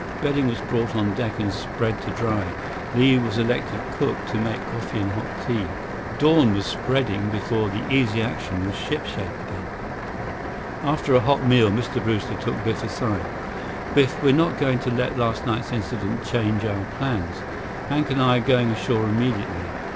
Bedding was brought on deck and spread to dry. Li was elected cook, to make coffee and hot tea. Dawn was spreading before the Easy Action was shipshape again. After a hot meal, Mr. Brewster took Biff aside. "Biff, we're not going to let last night's incident change our plans. Hank and I are going ashore immediately.